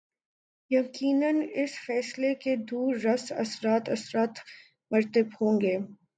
یقینااس فیصلے کے دور رس اثرات اثرات مرتب ہو ں گے۔